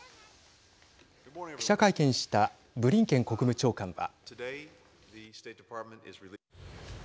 記者会見したブリンケン国務長官は。